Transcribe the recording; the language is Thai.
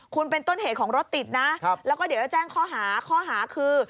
คุณเป็นต้นเหตุของรถติดนะแล้วก็เดี๋ยวจะแจ้งข้อหาข้อหาคือ